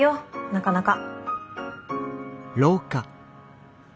なかなか。